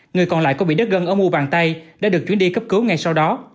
người còn lại có bị đất gân ở bu bàn tay đã được chuyển đi cấp cứu ngay sau đó